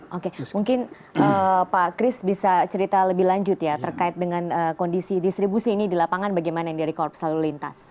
oke mungkin pak kris bisa cerita lebih lanjut ya terkait dengan kondisi distribusi ini di lapangan bagaimana yang dari korps lalu lintas